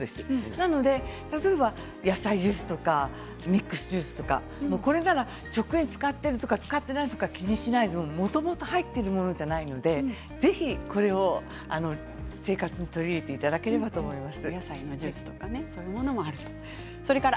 なので例えば、野菜ジュースとかミックスジュースとか食塩使ってる使ってないとか気にしないでもともと入っているものじゃないのでぜひこれを生活に取り入れていただければと思います。